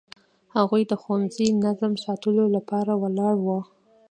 هغوی د ښوونځي نظم ساتلو لپاره ولاړ وو.